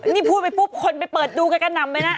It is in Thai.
นี่พูดไปปุ๊บคนไปเปิดดูแกก็นำไปนะ